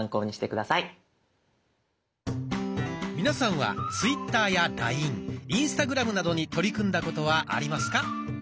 皆さんはツイッターやラインインスタグラムなどに取り組んだことはありますか？